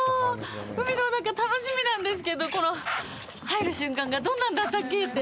海の中、楽しみなんですけどこの入る瞬間がどんなんだったっけって。